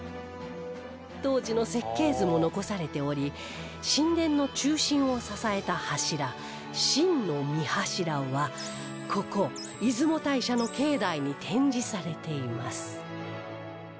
当時の設計図も残されており神殿の中心を支えた柱心御柱はここ出雲大社の境内に展示されています